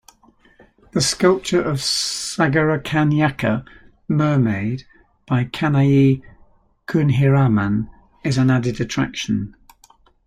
The sculpture of Sagarakanyaka - Mermaid by Kanayi Kunhiraman is an added attraction.